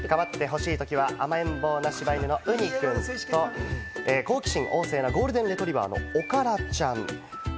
かまってほしいときは甘えん坊のうにくんと好奇心旺盛なゴールデンレトリバーのおからちゃん。